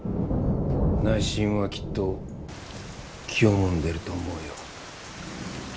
内心はきっと気をもんでると思うよ。